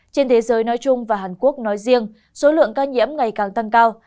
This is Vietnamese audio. trên thế giới nói chung và hàn quốc nói riêng số lượng ca nhiễm ngày càng tăng cao